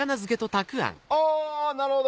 あぁなるほど！